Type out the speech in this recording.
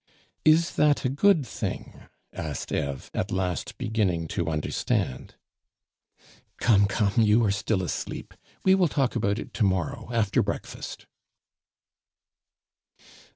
"Is that a good thing?" asked Eve, at last beginning to understand. "Come, come; you are still asleep. We will talk about it to morrow after breakfast."